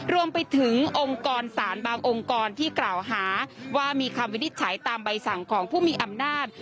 รวมไปถึงองค์กรสารบางองค์กรที่กล่าวหาว่ามีคำวินิจฉัยตามใบสั่งของผู้มีอำนาจ